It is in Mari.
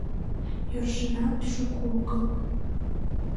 Йӧршынат шуко огыл.